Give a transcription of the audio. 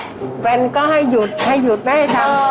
แบบนี้ก็ให้หยุดไม่ให้จะทำ